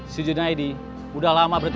si junaid udah lama berhenti